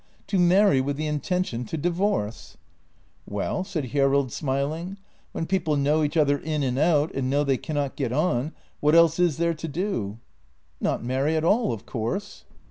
"To marry with the intention to divorce! "" Well," said Hjerrild, smiling. " When people know each other in and out, and know they cannot get on, what else is there to do? "" Not marry at all, of course."